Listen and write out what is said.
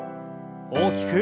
大きく。